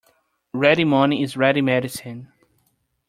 Ready money is ready medicine.